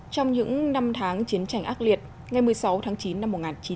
trong những năm tháng chiến tranh ác liệt ngày một mươi sáu tháng chín năm một nghìn chín trăm bảy mươi